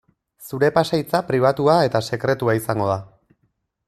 Zure pasahitza pribatua eta sekretua izango da.